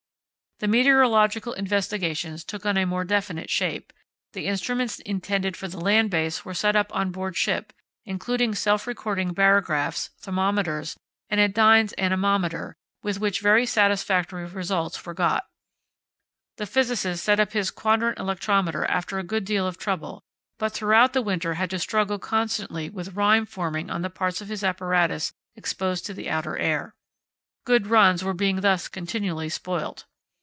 The meteorological investigations took on a more definite shape; the instruments intended for the land base were set up on board ship, including self recording barographs, thermometers, and a Dines anemometer, with which very satisfactory results were got. The physicist set up his quadrant electrometer after a good deal of trouble, but throughout the winter had to struggle constantly with rime forming on the parts of his apparatus exposed to the outer air. Good runs were being thus continually spoilt.